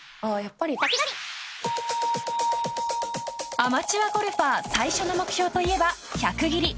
アマチュアゴルファー最初の目標といえば１００切り。